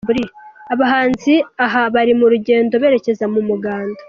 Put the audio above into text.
Abahanzi aha bari mu rugendo berekeza mu muganda.